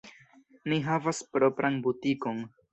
Ni havas propran butikon.